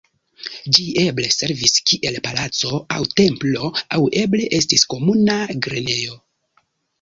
Ĝi eble servis kiel palaco aŭ templo aŭ eble estis komunuma grenejo.